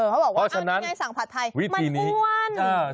เพราะฉะนั้นวิธีนี้มันบ้วน